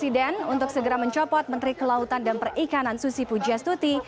presiden untuk segera mencopot menteri kelautan dan perikanan susi pujastuti